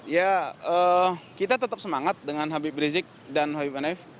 ya kita tetap semangat dengan habib rizik dan habib nf